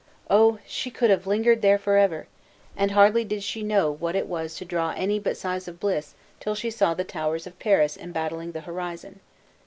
Oh! she could have lingered there forever! and hardly did she know what it was to draw any but sighs of bliss till she saw the towers of Paris embattling the horizon.